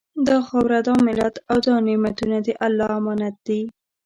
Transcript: دا خاوره، دا ملت او دا نعمتونه د الله امانت دي